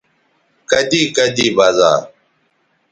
کدی کدی بزا